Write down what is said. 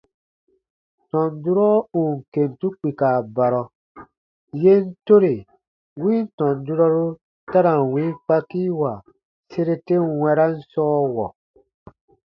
Tɔn durɔ ù n kentu kpika barɔ, yen tore win tɔn durɔru ta ra n wii kpakiiwa sere ten wɛ̃ran sɔɔwɔ.